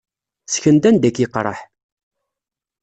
Ssken-d anda i k-iqerreḥ.